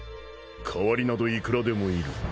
代わりなどいくらでもいる。